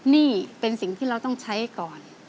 นี่เป็นสิ่งที่เราต้องใช้ก่อน